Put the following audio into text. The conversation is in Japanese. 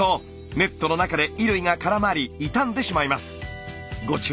ネットの中で衣類が絡まり傷んでしまいます。